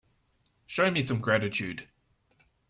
Show me some gratitude.